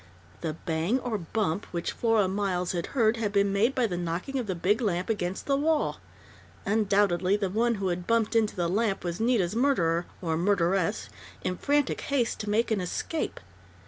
The "bang or bump" which Flora Miles had heard had been made by the knocking of the big lamp against the wall. Undoubtedly the one who had bumped into the lamp was Nita's murderer or murderess in frantic haste to make an escape.